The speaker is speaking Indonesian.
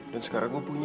dan sekarang gue punya